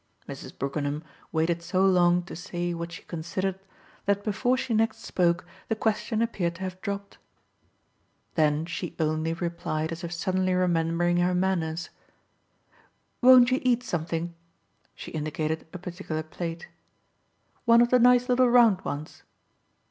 Mrs. Brookenham waited so long to say what she considered that before she next spoke the question appeared to have dropped. Then she only replied as if suddenly remembering her manners: "Won't you eat something?" She indicated a particular plate. "One of the nice little round ones?"